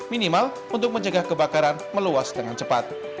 minimal untuk mencegah kebakaran meluas dengan cepat